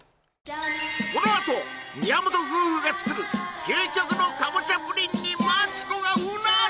このあと宮本夫婦が作る究極のカボチャプリンにマツコが唸る！